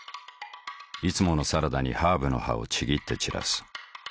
いつものサラダにハーブの葉をちぎって散らす。